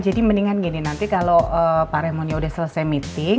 jadi mendingan gini nanti kalau pak raymondnya udah selesai meeting